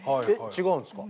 違うんですか？